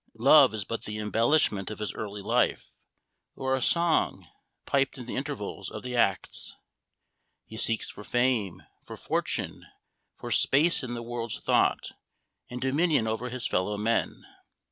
Love is but the embellishment of his early life, or a song piped in the intervals of the acts. He seeks for fame, for fortune for space in the world's thought, and dominion over his fellow men.